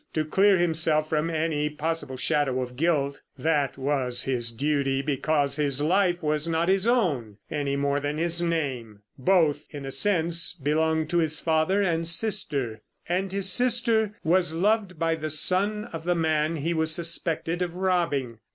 To clear himself from any possible shadow of guilt. That was his duty, because his life was not his own any more than his name. Both, in a sense, belonged to his father and sister. And his sister was loved by the son of the man he was suspected of robbing.